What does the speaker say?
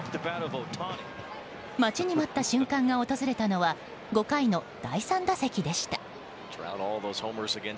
待ちに待った瞬間が訪れたのは５回の第３打席でした。